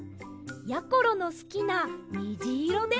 やころのすきなにじいろです。